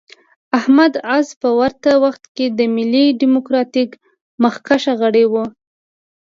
احمد عز په ورته وخت کې د ملي ډیموکراتیک مخکښ غړی و.